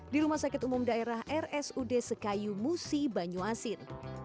di rumah sakit umum daerah rsud sekayu musi banyuasin